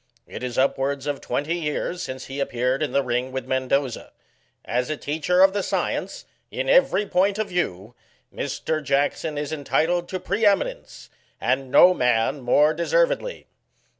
It is upwards of twenty years since he appeared in the ring with Mendoza. As a teacher of the science, in every point of view, Mr. Jackson is entitled to pre eminence, and no man more deser Digitized by VjOOQIC 12 BOXIANA ; OR, Vedly.